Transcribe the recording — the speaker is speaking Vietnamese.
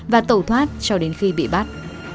và tẩu thoát cho đến khi bị bắt